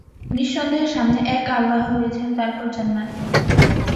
নিঃসন্দেহে সামনে এক আল্লাহ রয়েছেন তারপর জান্নাত।